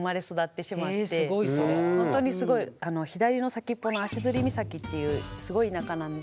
ほんとにすごい左の先っぽの足岬っていうすごい田舎なんで。